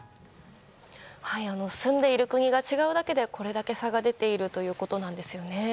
住んでいる国が違うだけでこれだけ差が出ているということなんですよね。